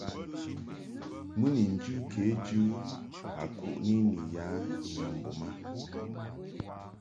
Mɨ ni njɨ kejɨ a kuʼni ni ya nyambum a.